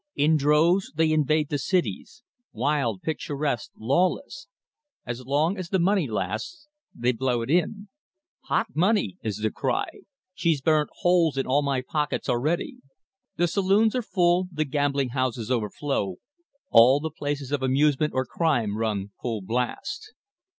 In droves they invade the cities, wild, picturesque, lawless. As long as the money lasts, they blow it in. "Hot money!" is the cry. "She's burnt holes in all my pockets already!" The saloons are full, the gambling houses overflow, all the places of amusement or crime run full blast.